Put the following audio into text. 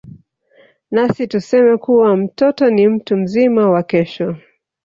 Nasi tuseme kuwa mtoto ni mtu mzima wa Kesho.